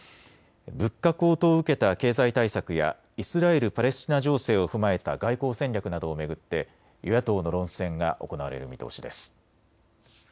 物価高騰を受けた経済対策やイスラエル・パレスチナ情勢を踏まえた外交戦略などを巡って与野党の論戦が行われる見通しです。